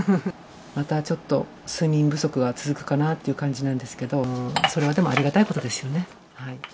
またちょっと、睡眠不足が続くかなっていう感じなんですけど、それはでもありがたいことですよね。